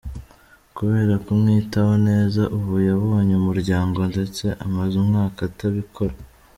Kubera kumwitaho neza ubu yabonye umuryango ndetse amaze umwaka atabikora.